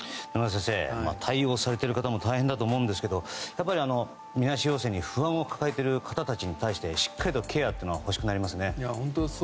野村先生対応されている方も大変だと思うんですけどみなし陽性に不安を抱えている方たちに対してしっかりとケアが欲しくなりますね。